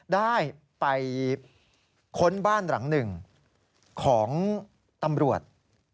ได้ไปค้นบ้านหลังหนึ่งของตำรวจ